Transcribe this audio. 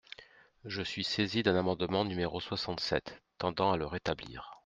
Je suis saisie d’un amendement, numéro soixante-sept, tendant à le rétablir.